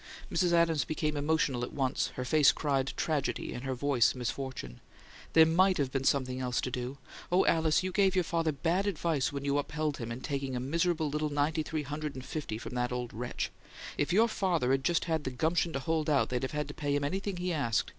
Mrs. Adams became emotional at once: her face cried tragedy, and her voice misfortune. "There MIGHT have been something else to do! Oh, Alice, you gave your father bad advice when you upheld him in taking a miserable little ninety three hundred and fifty from that old wretch! If your father'd just had the gumption to hold out, they'd have had to pay him anything he asked.